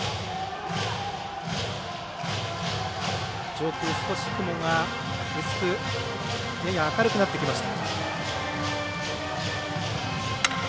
上空、少し雲が薄くやや明るくなってきました。